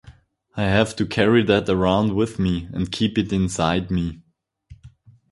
I have to carry that around with me and keep it inside me.